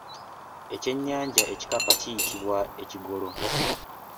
Ekyennyanja ekikapa kiyitibwa Ekigolo.